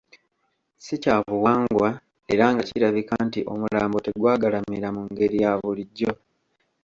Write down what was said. Si kya buwangwa era nga kirabika nti omulambo tegwagalamira mu ngeri ya bulijjo.